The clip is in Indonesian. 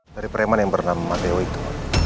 dari preman yang bernama dewi itu